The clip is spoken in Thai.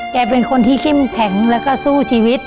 เป็นคนที่เข้มแข็งแล้วก็สู้ชีวิต